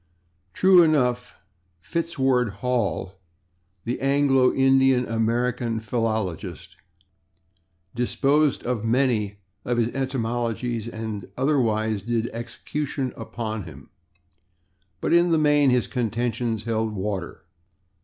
True enough, Fitzedward Hall, the Anglo Indian American philologist, disposed of many of his etymologies and otherwise did execution upon him, but in the main his contentions held water.